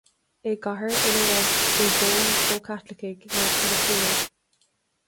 I gcathair ina raibh faoi dhó níos mó Caitlicigh ná Protastúnaigh.